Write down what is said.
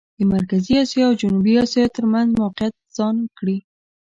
د مرکزي اسیا او جنوبي اسیا ترمېنځ موقعیت ځان کړي.